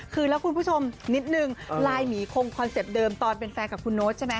คือแล้วคุณผู้ชมนิดนึงลายหมีคงคอนเซ็ปต์เดิมตอนเป็นแฟนกับคุณโน๊ตใช่ไหม